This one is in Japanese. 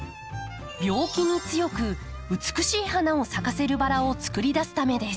病気に強く美しい花を咲かせるバラをつくり出すためです。